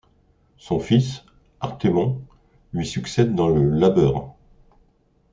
Son fils, Arthémon, lui succède dans le labeur.